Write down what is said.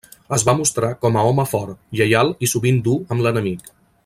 Es va mostrar com a home fort, lleial i sovint dur amb l'enemic.